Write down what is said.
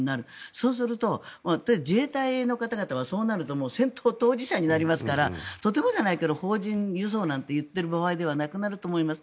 そうすると、自衛隊の方々は戦闘当事者になりますからとてもじゃないけど邦人輸送なんて言っている場合じゃなくなると思います。